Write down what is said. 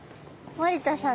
森田さん！